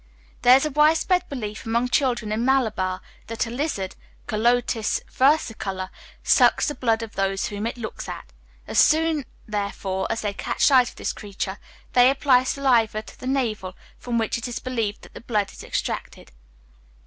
There is a widespread belief among children in Malabar, that a lizard (Calotes versicolor) sucks the blood of those whom it looks at. As soon, therefore, as they catch sight of this creature, they apply saliva to the navel, from which it is believed that the blood is extracted.